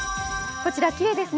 こちらきれいですね。